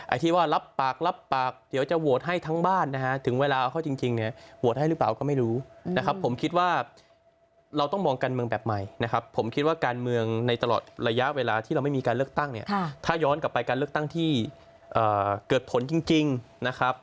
อาจที่ว่ารับปากเดี๋ยวจะโหวตให้ทั้งบ้านถึงเวลาเอาเข้าจริงโหวตให้หรือเปล่าก็ไม่รู้นะครับ